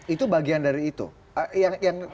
itu bagian dari itu